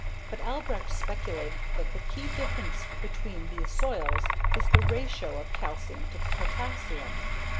But Albrecht speculated that the key difference between these soils is the _ratio _of calcium to potassium.